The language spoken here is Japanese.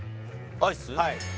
アイス？